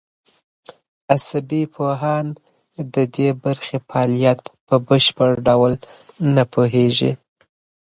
عصبي پوهان د دې برخې فعالیت په بشپړ ډول نه پوهېږي.